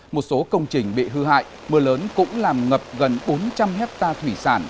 một số công trình bị hư hại mưa lớn cũng làm ngập gần bốn trăm linh hectare thủy sản